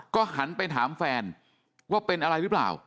ก็หันไปถามแฟนว่าเป็นอะไรหรือเปล่า